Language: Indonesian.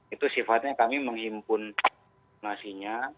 itu sifatnya kami menghimpun nasinya